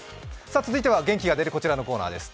続いては元気が出るコーナーです。